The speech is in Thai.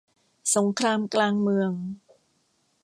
สงครามกลางเมือง